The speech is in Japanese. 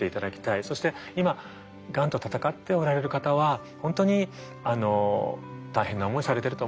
そして今がんと闘っておられる方は本当に大変な思いされてると思うんです。